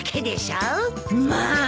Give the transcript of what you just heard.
まあ！